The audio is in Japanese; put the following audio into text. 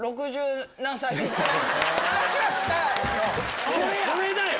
話はしたんよ。